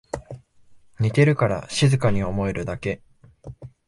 寝てるから静かに思えるだけ